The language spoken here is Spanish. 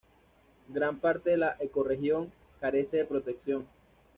Gran parte de la ecorregión carece de protección.